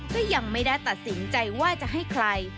ก็ยังไม่ได้ตัดสินใจว่าจะให้ใคร